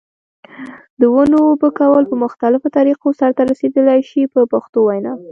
د ونو اوبه کول په مختلفو طریقو سرته رسیدلای شي په پښتو وینا.